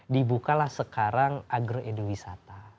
dibukalah sekarang agro eduwisata